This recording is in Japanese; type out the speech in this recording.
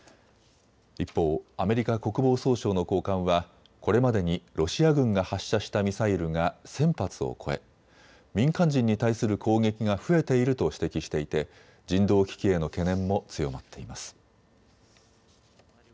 一方、アメリカ国防総省の高官はこれまでにロシア軍が発射したミサイルが１０００発を超え民間人に対する攻撃が増えていると指摘していて人道危機への懸念も強まっています。